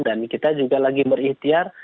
dan kita juga lagi berikhtiar